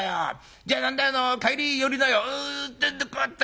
じゃあ何だ帰り寄りなよ』てんでこうやって。